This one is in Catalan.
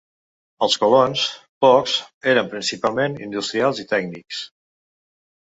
Els colons, pocs, eren principalment industrials i tècnics.